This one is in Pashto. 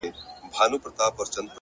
يو څه زه هم يم هميمه، چې تر اوسه مرور يم